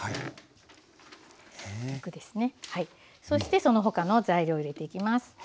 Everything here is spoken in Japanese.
そしてその他の材料を入れていきます。